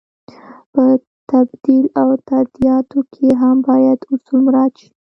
په تبدیل او تادیاتو کې هم باید اصول مراعت شي.